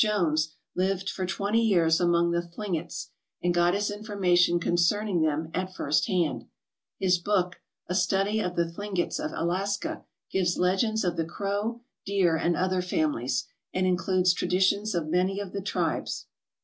Jones lived for twenty years among the Thlingets and got his information concerning them at first hand. His book, "A Study of the Thlingets of Alaska/' gives legends of the Crow, Deer, and other families, and includes tra 55 ALASKA OUR NORTHERN WONDERLAND f\ tuitions of many of the tribes.